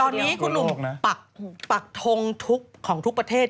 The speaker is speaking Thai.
ตอนนี้คุณหนุ่มปักทงทุกของทุกประเทศ